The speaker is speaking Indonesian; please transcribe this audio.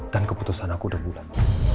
dan keputusan aku udah bulat